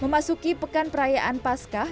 memasuki pekan perayaan paskah